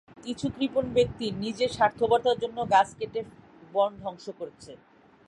কিছু কৃপণ ব্যক্তি নিজের স্বার্থপরতার জন্য গাছ কেটে বন ধ্বংস করছে।